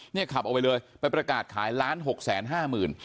ขับออกไปเลยไปประกาศขายล้านหกแสนห้าหมื่น